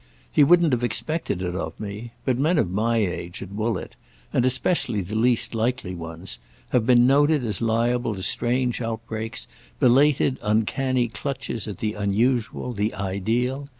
He wouldn't have expected it of me; but men of my age, at Woollett—and especially the least likely ones—have been noted as liable to strange outbreaks, belated uncanny clutches at the unusual, the ideal.